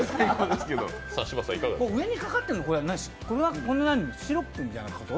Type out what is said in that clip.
上にかかってるの、これは何シロップみたいなこと？